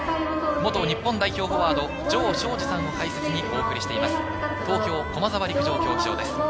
元日本代表フォワード・城彰二さんの解説にお送りしています、東京駒沢陸上競技場です。